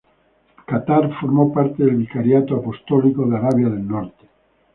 Catar forma parte del Vicariato Apostólico de Arabia del Norte.